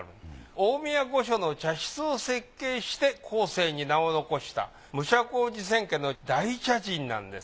大宮御所の茶室を設計して後世に名を残した武者小路千家の大茶人なんです。